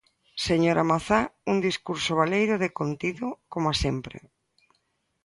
Señora Mazá, un discurso baleiro de contido, coma sempre.